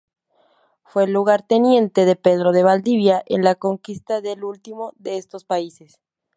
Fue lugarteniente de Pedro de Valdivia en la conquista del último de estos países.